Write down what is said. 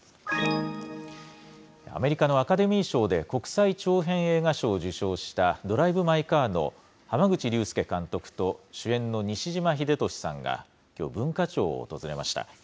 アメリカのアカデミー賞で国際長編映画賞を受賞したドライブ・マイ・カーの濱口竜介監督と主演の西島秀俊さんがきょう、文化庁を訪れました。